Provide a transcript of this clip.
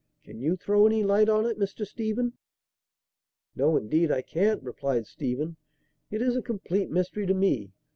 Can you throw any light on it, Mr. Stephen?" "No, indeed I can't," replied Stephen. "It is a complete mystery to me.